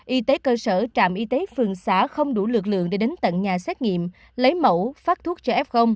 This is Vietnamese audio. y tế cơ sở trạm y tế phường xã không đủ lực lượng để đến tận nhà xét nghiệm lấy mẫu phát thuốc cho f